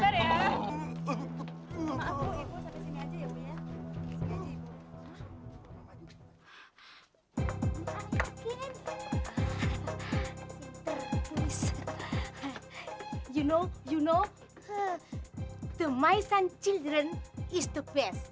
kamu tahu kamu tahu anak anak saya adalah yang terbaik